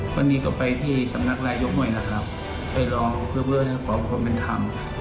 วันนี้ก็ไปที่สำนักรายยกหน่อยนะครับไปลองเรื่องของประวัติภาพเป็นธรรม